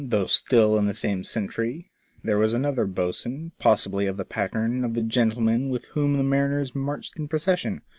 though still in the same century, there was another boatswain, possibly of the pattern of the gentleman with whom the mariners marched in pro cession.